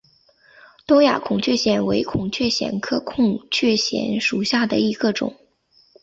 东亚孔雀藓为孔雀藓科孔雀藓属下的一个种。